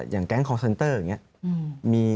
อย่างแก๊งคอร์เซนเตอร์อย่างนี้